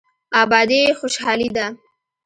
ابادي خوشحالي ده.